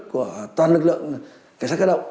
của toàn lực lượng cảnh sát cơ động